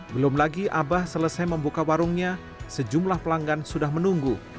belum lagi abah selesai membuka warungnya sejumlah pelanggan sudah menunggu